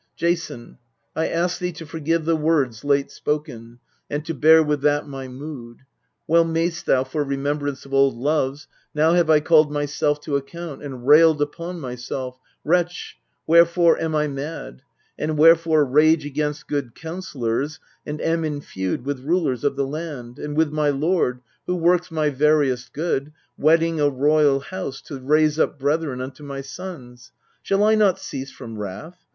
Jason, I ask thee to forgive the words Late spoken, and' to bear with that my mood : Well mayst thou, for remembrance of old loves. Now have I called myself to account, and railed Upon myself: " Wretch, wherefore am I mad? And wherefore rage against good counsellors, And am at feud with rulers of the land, And with my lord, who works my veriest good, Wedding a royal house, to raise up brethren Unto my sons ? Shall I not cease from wrath